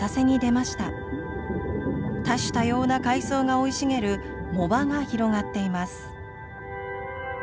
多種多様な海藻が生い茂る藻場が広がっています。